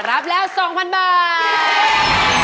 รับแล้ว๒๐๐๐บาท